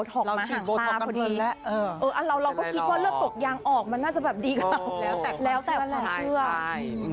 ถ้ามันเป็นแผนมันอักเสบมันก็จะไม่ดีกับดวงเรา